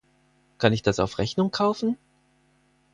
Kann ich das auf Rechnung kaufen?